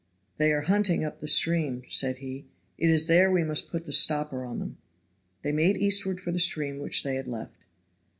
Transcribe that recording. "They are hunting up the stream," said he, "it is there we must put the stopper on them." They made eastward for the stream which they had left.